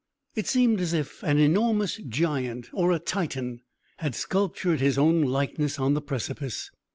It seemed as if an enormous giant, or a Titan, had sculptured his own likeness on the precipice.